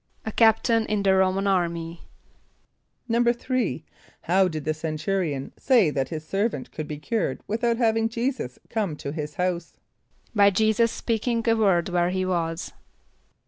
=A captain in the R[=o]´man army.= =3.= How did the centurion say that his servant could be cured without having J[=e]´[s+]us come to his house? =By J[=e]´[s+]us speaking a word where he was.